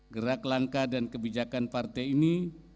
gerak langkah dan kebijakan partai ini